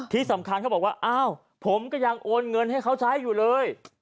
ที่สำคัญเขาบอกว่าอ้าวผมก็ยังโอนเงินให้เขาใช้อยู่เลย